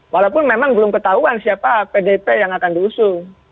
walaupun memang belum ketahuan siapa pdp yang akan diusung